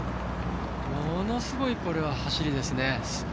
ものすごい走りですね。